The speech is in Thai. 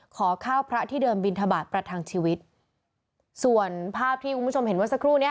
ขอข้าวพระที่เดิมบินทบาทประทังชีวิตส่วนภาพที่คุณผู้ชมเห็นเมื่อสักครู่เนี้ย